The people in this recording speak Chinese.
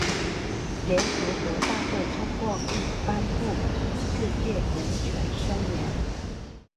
联合国大会通过并颁布《世界人权宣言》。